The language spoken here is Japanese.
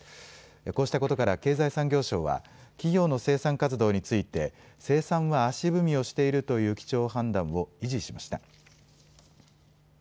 こうしたことから経済産業省は企業の生産活動について生産は足踏みをしているという基調判断を維持しました。